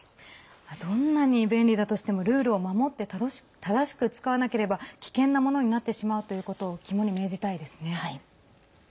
どんなに便利だとしてもルールを守って正しく使わなければ危険なものになってしまうということを肝に銘じたいですね。